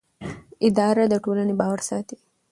اداره د ټولنې باور ساتي.